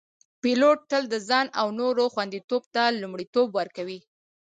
پیلوټ تل د ځان او نورو خوندیتوب ته لومړیتوب ورکوي.